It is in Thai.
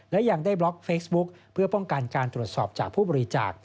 และยังได้บล็อกเฟซบุ๊กเพื่อป้องกันการตรวจสอบจากผู้บริจาค